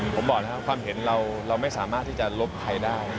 ผมบอกนะครับความเห็นเราไม่สามารถที่จะลบใครได้